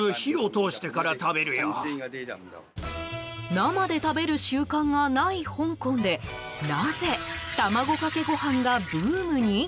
生で食べる習慣がない香港でなぜ卵かけご飯がブームに？